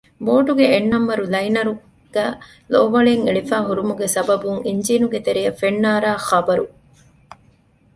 ބޯޓުގެ އެއް ނަންބަރު ލައިނަރުގައި ލޯވަޅެއް އެޅިފައި ހުރުމުގެ ސަބަބުން އިންޖީނު ތެރެއަށް ފެން ނާރާ ޚަބަރު